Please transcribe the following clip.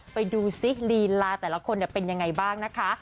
ไปดูซิลีลาแต่ละคนเป็นยังไงบ้างนะคะ